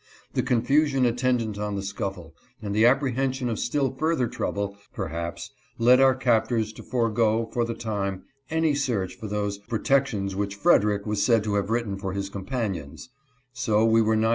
The confusion attendant on the scuffle, and the apprehension of still further trouble, per haps, led our captors to forego, for the time, any search for "those protections which Frederick was said to have written for his companions"; so we were not.